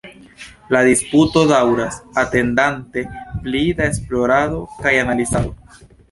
La disputo daŭras, atendante pli da esplorado kaj analizado.